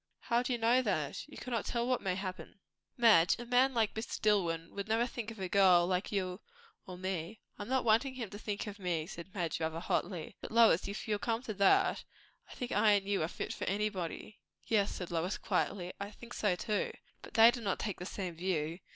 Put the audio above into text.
"How do you know that? You cannot tell what may happen." "Madge, a man like Mr. Dillwyn would never think of a girl like you or me." "I am not wanting him to think of me," said Madge rather hotly. "But, Lois, if you come to that, I think I and you are fit for anybody." "Yes," said Lois quietly. "I think so too. But they do not take the same view.